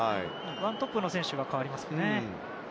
１トップの選手が代わりますね。